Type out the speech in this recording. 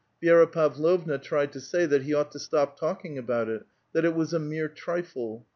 Vi^ra Pavlovna tried to say that he ought to stop talking about it ; that it was a mere trifle.